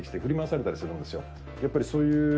やっぱりそういう感じが。